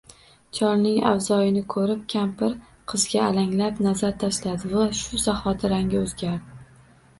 Cholning avzoyini koʼrib kampir qizga alanglab nazar tashladi va shu zahoti rangi oʼzgardi.